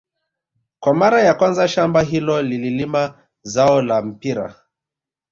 Kwa mara ya kwanza shamba hilo lililima zao la mpira